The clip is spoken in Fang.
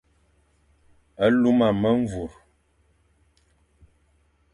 Luma memvur,